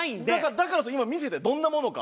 だからこそ今見せてどんなものか。